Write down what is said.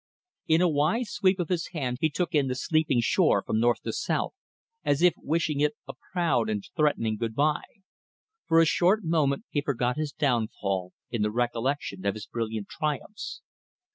In a wide sweep of his hand he took in the sleeping shore from north to south, as if wishing it a proud and threatening good bye. For a short moment he forgot his downfall in the recollection of his brilliant triumphs.